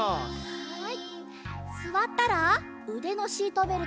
はい。